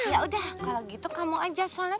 yaudah kalau gitu kamu aja sholat